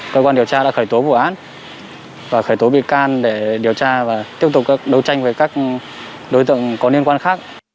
cơ quan điều tra đã khởi tố vụ án và khởi tố bị can để điều tra và tiếp tục đấu tranh với các đối tượng có liên quan khác